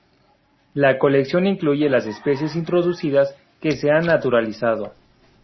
La colección incluye las especies introducidas que se han naturalizado.